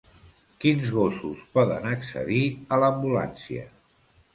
Quins gossos poden accedir a l'ambulància?